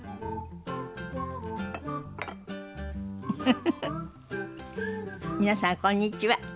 フフフフ皆さんこんにちは。